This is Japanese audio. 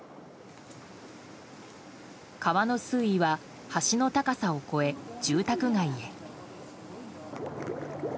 川の水位は橋の高さを越え住宅街へ。